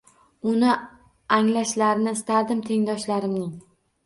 Uni anglashlarini istardim tengdoshlarimning.